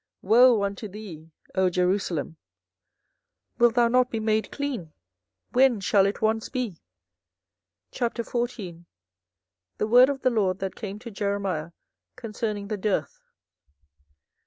Woe unto thee, O Jerusalem! wilt thou not be made clean? when shall it once be? 24:014:001 The word of the LORD that came to Jeremiah concerning the dearth.